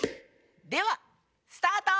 ではスタート！